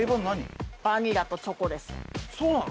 そうなの？